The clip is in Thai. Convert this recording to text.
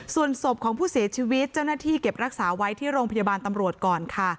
ส่วนศพของผู้เสียชีวิตเจ้าหน้าที่เก็บรักษาไว้ที่โรงพยาบาลตำรวจก่อนค่ะ